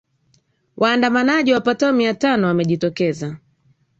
waandamanaji wapatao mia tano wamejitokeza